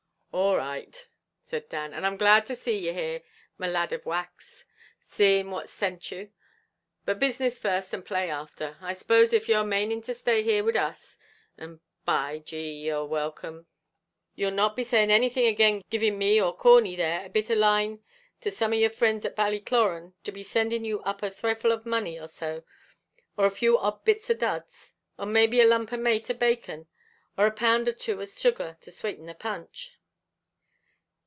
"All's right," said Dan; "and I'm glad to see you here, my lad of wax, seeing what sent you; but business first and play after. I s'pose if you're maning to stay here wid us an' by G d you're wilcome you'll not be saying anything agin giving me or Corney there, a bit of a line to some of your frinds at Ballycloran, to be sending you up a thrifle of money or so, or a few odd bits of duds, or may be a lump of mate or bacon, or a pound or two of sugar to swaiten the punch."